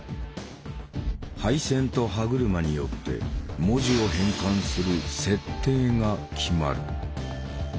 配線と歯車によって文字を変換する「設定」が決まる。